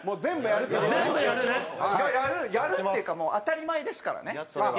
やるっていうかもう当たり前ですからねそれは。